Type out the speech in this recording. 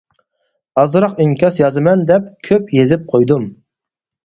ئازراق ئىنكاس يازىمەن دەپ كۆپ يېزىپ قويدۇم.